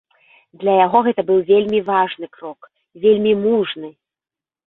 Для яго гэта быў вельмі важны крок і вельмі мужны.